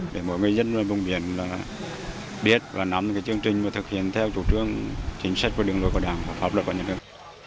để mỗi người dân vùng biển biết và nắm chương trình và thực hiện theo chủ trương chính sách của đường lối của đảng và pháp luật và nhân dân